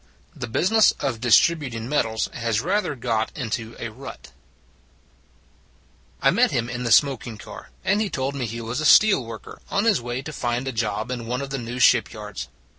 THE BUSINESS OF DISTRIBUTING MEDALS HAS RATHER GOT INTO A RUT I MET him in the smoking car, and he told me he was a steel worker, on his way to find a job in one of the new ship yards.